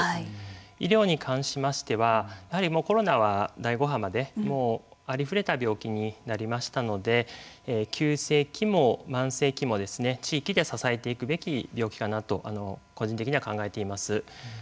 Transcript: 医療に関しましてはやはりコロナは第５波までありふれた病気になりましたので急性期も慢性期も地域で支えていくべき病気かなと個人的には考えています。